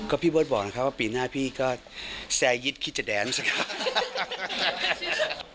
ก็พี่เบิร์ตบอกนะครับว่าปีหน้าพี่ก็แซร์ยิตคิดจะแดนสักพัก